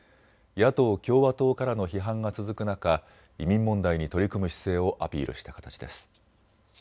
野党・共和党からの批判が続く中、移民問題に取り組む姿勢をアピールした形です。